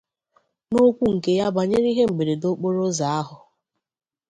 N'okwu nke ya banyere ihe mberede okporoụzọ ahụ